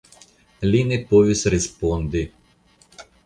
Li ne povis respondi.